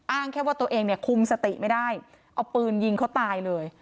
อ้างแค่ว่าตัวเองเนี่ยคุมสติไม่ได้เอาปืนยิงเขาตายเลย